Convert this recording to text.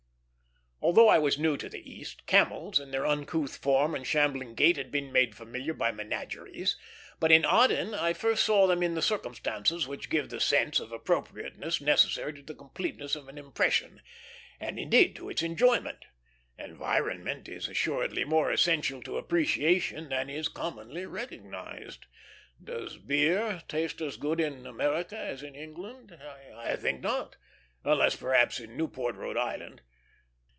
Although I was new to the East, camels in their uncouth form and shambling gait had been made familiar by menageries; but in Aden I first saw them in the circumstances which give the sense of appropriateness necessary to the completeness of an impression, and, indeed, to its enjoyment. Environment is assuredly more essential to appreciation than is commonly recognized. Does beer taste as good in America as in England? I think not, unless perhaps in Newport, Rhode Island.